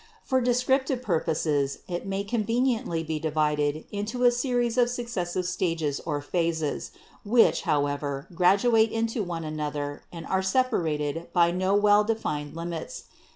For descrip tive purposes it may conveniently be divided into a series of successive stages or phases, which, however, graduate into one another and are separated by no well defined limits.